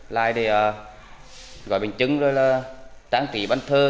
lại để gọi bệnh chứng rồi là tán trị bản thơ